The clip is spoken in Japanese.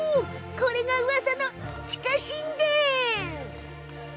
これがうわさの地下神殿。